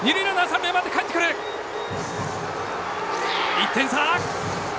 １点差！